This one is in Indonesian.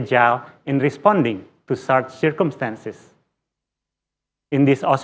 sangat berguna dalam menjawab keadaan tersebut